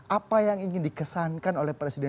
apa yang ingin dikesankan oleh presiden